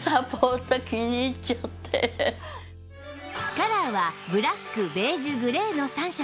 カラーはブラックベージュグレーの３色